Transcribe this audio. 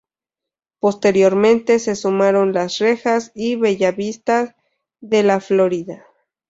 Posteriormente se sumaron Las Rejas y Bellavista de La Florida.